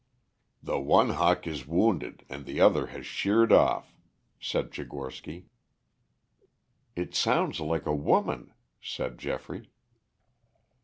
"The one hawk is wounded and the other has sheered off," said Tchigorsky. "It sounds like a woman," said Geoffrey.